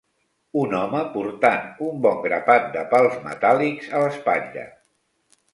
Un home portant un bon grapat de pals metàl·lics a l'espatlla.